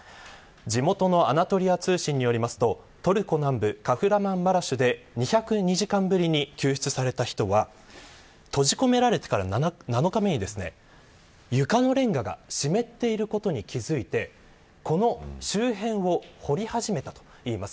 地元のアナトリア通信によるとトルコ南部カフラマンマラシュにおいて２０２時間ぶりに救出された人は閉じ込められてから７日目に床のれんがが湿っていることに気付いてこの周辺を掘り始めたといいます。